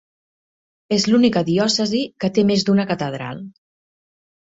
És l'única diòcesi que té més d'una catedral.